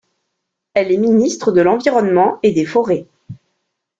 Elle est ministre de l'Environnement et des Forêts.